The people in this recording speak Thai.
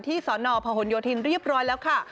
สนพหนโยธินเรียบร้อยแล้วค่ะ